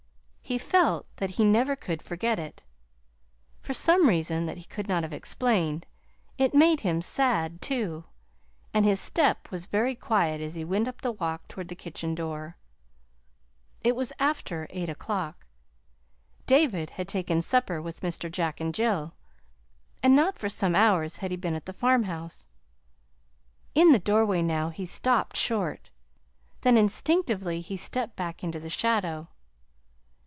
He felt that he never could forget it. For some reason that he could not have explained, it made him sad, too, and his step was very quiet as he went up the walk toward the kitchen door. It was after eight o'clock. David had taken supper with Mr. Jack and Jill, and not for some hours had he been at the farmhouse. In the doorway now he stopped short; then instinctively he stepped back into the shadow.